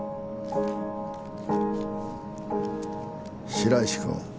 白石君。